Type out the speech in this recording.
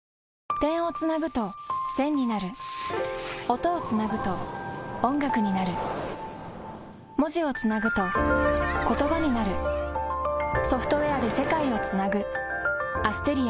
点をつなぐと線になる音をつなぐと音楽になる文字をつなぐと言葉になるソフトウェアで世界をつなぐＡｓｔｅｒｉａ